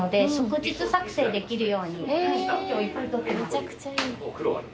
めちゃくちゃいい。